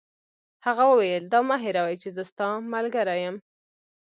هغه وویل: دا مه هیروئ چي زه ستا ملګری یم.